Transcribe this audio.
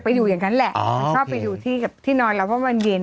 อยู่อย่างนั้นแหละมันชอบไปอยู่ที่นอนเราเพราะมันเย็น